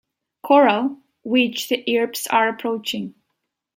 Corral, which the Earps are approaching.